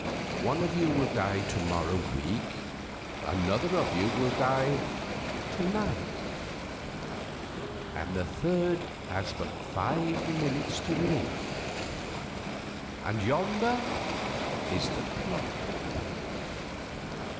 One of you will die to morrow week; another of you will die to night; the third has but five minutes to live and yonder is the clock!"